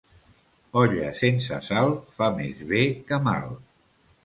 Olla sense sal fa més bé que mal.